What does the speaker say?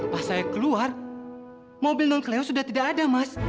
pas saya keluar mobil nonkeleo sudah tidak ada mas